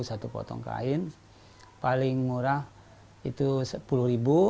satu potong kain paling murah itu sepuluh ribu